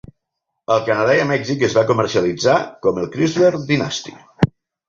Al Canadà i Mèxic es va comercialitzar com el Chrysler Dynasty.